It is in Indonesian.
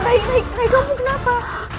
rai rai rai rai kamu kenapa